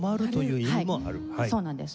そうなんです。